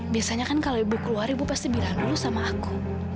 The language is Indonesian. biasanya kan kalau ibu keluar ibu pasti bilang dulu sama aku